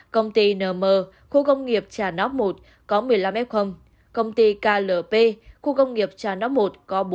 công ty nm khu công nghiệp trà nóc một có một mươi năm f công ty klp khu công nghiệp trà nóc i có bốn